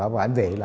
và anh về là